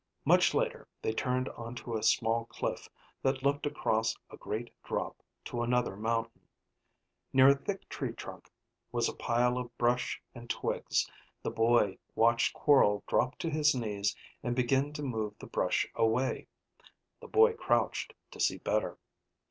Much later they turned onto a small cliff that looked across a great drop to another mountain. Near a thick tree trunk was a pile of brush and twigs. The boy watched Quorl drop to his knees and being to move the brush away. The boy crouched to see better.